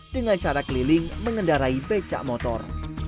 dengan cara keliling mengendarai becak motor